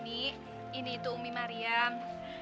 ini itu umi mariam